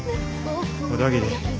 小田切。